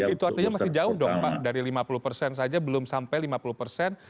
itu artinya masih jauh dong pak dari lima puluh persen saja belum sampai lima puluh persen